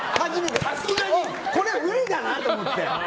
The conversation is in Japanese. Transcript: これは無理だなと思って。